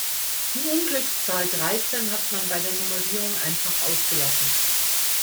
Die Unglückszahl dreizehn hat man bei der Nummerierung einfach ausgelassen.